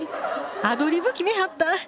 アドリブ決めはった！